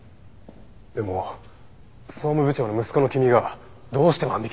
でも総務部長の息子の君がどうして万引きなんか。